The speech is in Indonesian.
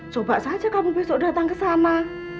coba saja kamu besok datang kesana